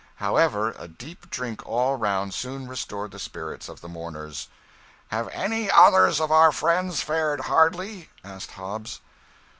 However, a deep drink all round soon restored the spirits of the mourners. "Have any others of our friends fared hardly?" asked Hobbs.